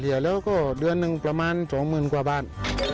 เหลือแล้วก็เดือนหนึ่งประมาณ๒๐๐๐๐บาท